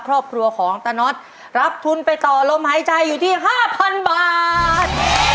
ครอบครัวของตาน็อตรับทุนไปต่อลมหายใจอยู่ที่๕๐๐๐บาท